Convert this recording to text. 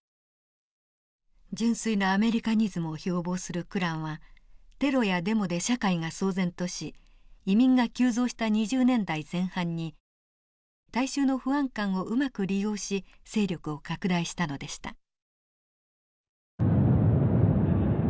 純粋なアメリカニズムを標榜するクランはテロやデモで社会が騒然とし移民が急増した２０年代前半に大衆の不安感をうまく利用し勢力を拡大したのでした。